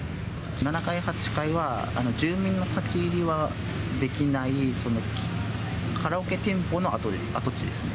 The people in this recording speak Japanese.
７階、８階は、住民の立ち入りはできない、カラオケ店舗の跡地ですね。